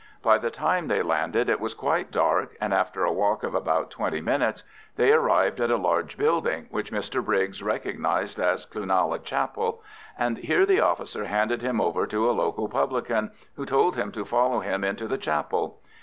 By the time they landed it was quite dark, and after a walk of about twenty minutes they arrived at a large building, which Mr Briggs recognised as Cloonalla chapel, and here the officer handed him over to a local publican, who told him to follow him into the chapel.